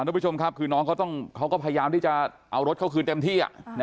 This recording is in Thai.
โดยผู้ชมครับนกเค้าก็พยายามเอารถเข้าคืนเต็มที่